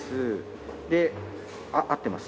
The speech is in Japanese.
で合ってます。